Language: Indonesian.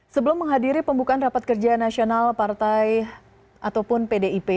sebelum menghadiri pembukaan rapat kerja nasional partai ataupun pdip